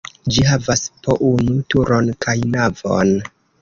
Ĝi havas po unu turon kaj navon.